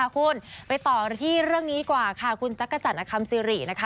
คุณไปต่อที่เรื่องนี้กว่าค่ะคุณจักรจันทร์อคัมซิรินะคะ